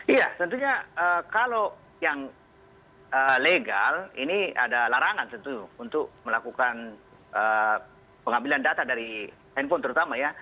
iya tentunya kalau yang legal ini ada larangan tentu untuk melakukan pengambilan data dari handphone terutama ya